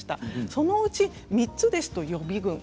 そのうち２つですと予備軍。